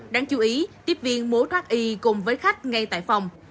đáng chú ý tiếp viên múa thoát y cùng với khách ngay tại phòng